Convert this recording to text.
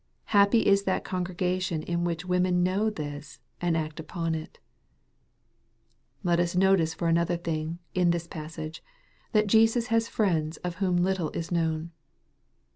Happy is that congregation in which women know this, and act upon it ! Let us notice, for another thing, in this passage, that Jesus has friends of whom little is known.